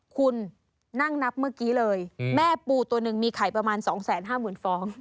คุณนั่งนับเมื่อกี้เลยแม่ปูตัวหนึ่งมีไข่ประมาณ๒๕๐๐๐ฟอง